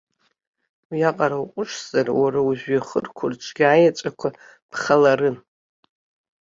Уиаҟара уҟәышзар, уара ужәҩахырқәа рҿгьы аеҵәақәа ԥхаларын.